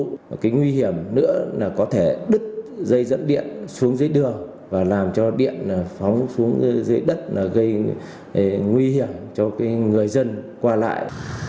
một cái nguy hiểm nữa là có thể đứt dây dẫn điện xuống dưới đường và làm cho điện phóng xuống dưới đất là gây nguy hiểm cho người dân qua lại